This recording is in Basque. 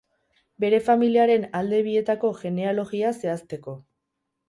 Bere familiaren alde bietako genealogia zehazteko.